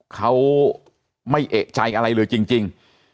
เขาไม่เอกใจอะไรเลยจริง